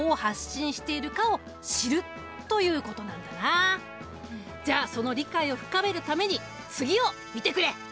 その第一歩がじゃあその理解を深めるために次を見てくれ！